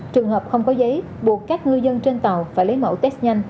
trường hợp không có giấy buộc các ngư dân trên tàu phải lấy mẫu test nhanh